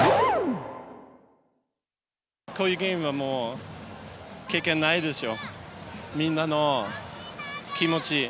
こういうゲームはもう、経験ないですよ。